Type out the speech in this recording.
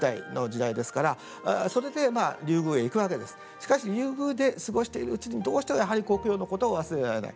しかし竜宮で過ごしているうちにどうしてもやはり故郷のことを忘れられない。